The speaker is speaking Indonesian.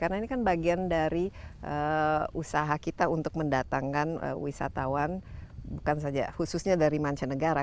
karena ini kan bagian dari usaha kita untuk mendatangkan wisatawan bukan saja khususnya dari mancanegara